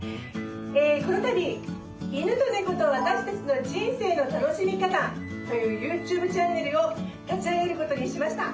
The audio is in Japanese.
このたび「犬と猫とわたし達の人生の楽しみ方」というＹｏｕＴｕｂｅチャンネルを立ち上げることにしました。